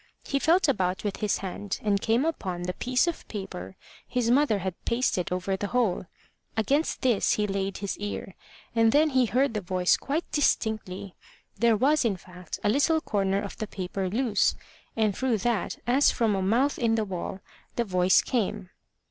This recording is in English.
He felt about with his hand, and came upon the piece of paper his mother had pasted over the hole. Against this he laid his ear, and then he heard the voice quite distinctly. There was, in fact, a little corner of the paper loose, and through that, as from a mouth in the wall, the voice came.